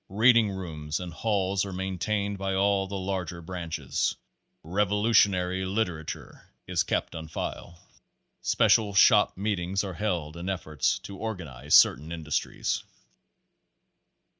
Reading rooms and halls are main tained by all the larger Branches. Revolutionary liter ature is kept on file. Page Nineteen Special shop meetings are held in efforts to organ ize certain industries.